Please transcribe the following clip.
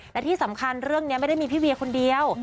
และที่สำคัญเรื่องนี้ไม่ได้มีพี่เวียคนเดียว